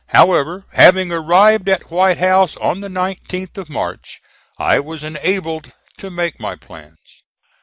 However, having arrived at White House on the 19th of March, I was enabled to make my plans.